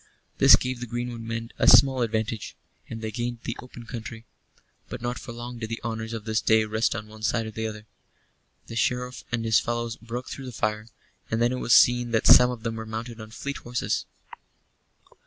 This gave the greenwood men a small advantage, and they gained the open country; but not for long did the honors of this day rest on one side or the other. The Sheriff and his fellows broke through the fire; and then it was seen that some of them were mounted on fleet horses.